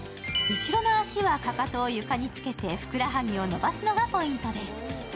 後ろの足はかかとを床につけてふくらはぎを伸ばすのがポイントです。